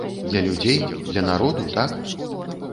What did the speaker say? Для людзей, для народу, так?